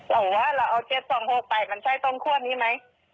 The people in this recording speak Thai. หรอวะเราเอาเจ็ดสองหกไปมันใช่ต้นคั่วนี่ไหม